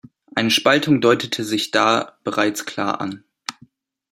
Eine Spaltung deutete sich da bereits klar an.